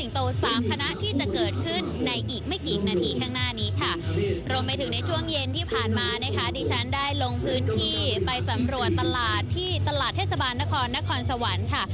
รวมไปถึงในช่วงเย็นที่ผ่านมานะคะดิฉันได้ลงพื้นที่ไปสำรวจตลาดที่ตลาดเทศบาลนครนครสวรรค์ค่ะ